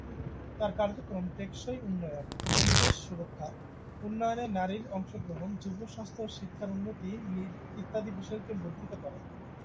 তার কার্যক্রম টেকসই উন্নয়ন, পরিবেশ সুরক্ষা, উন্নয়নে নারীর অংশগ্রহণ, যুব স্বাস্থ্য ও শিক্ষার উন্নতি ইত্যাদি বিষয়কে বর্ধিত করে।